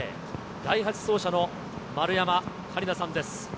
第８走者の丸山桂里奈さんです。